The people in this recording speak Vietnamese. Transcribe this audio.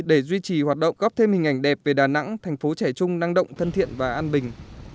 để duy trì hoạt động góp thêm hình ảnh đẹp về đà nẵng thành phố trẻ chung năng động thân thiện và an bình